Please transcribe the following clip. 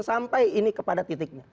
sampai ini kepada titiknya